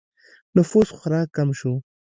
نفوس خورا کم شو